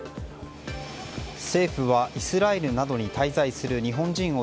政府はイスラエルなどに滞在する日本人を